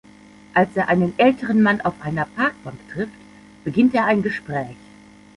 Als er einen älteren Mann auf einer Parkbank trifft, beginnt er ein Gespräch.